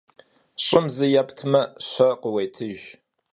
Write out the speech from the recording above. Ş'ım zı yêptme, şe khıuêtıjj.